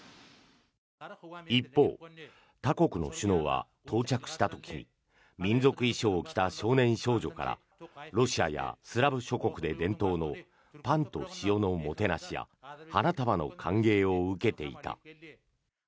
一方、他国の首脳は到着した時に民族衣装を着た少年少女からロシアやスラブ諸国で伝統のパンと塩のもてなしや花束の歓迎を受けていた。